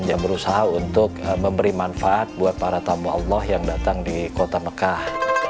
yang berusaha untuk memberi manfaat buat para tamu allah yang datang di kota mekah